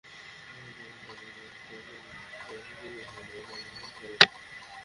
খুব ভোরে ফজরের ওয়াক্তে জায়নামাজে সেজদারত অবস্থায় বুকে প্রচণ্ড ব্যথা অনুভব করেন।